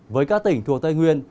với các tỉnh thuộc tây nguyên